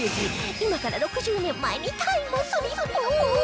今から６０年前にタイムスリップ！